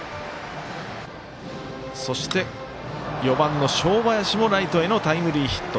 そして、４番の正林もライトへのタイムリーヒット。